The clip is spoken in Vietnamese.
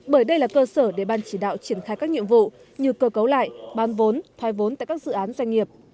bởi đây là cơ sở để ban chỉ đạo triển khai các nhiệm vụ như cơ cấu lại bán vốn thoai vốn tại các dự án doanh nghiệp